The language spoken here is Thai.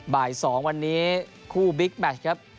บ่าย๒วันนี้คู่บิ๊กแมชครับ